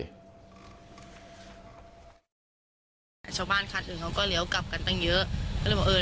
ชาวบ้านคันอื่นเขาก็เลี้ยวกลับกันตั้งเยอะ